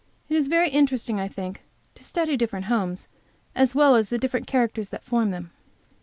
It is very interesting, I think, to study different homes, as well as the different characters that form them.